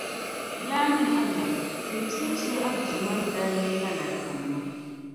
Yaa nyini Annabi! Teemi saha shεli a Duuma ni daa yεli Malaaikanima.